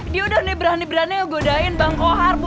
dia udah berani berani ngegodain bang kohar bu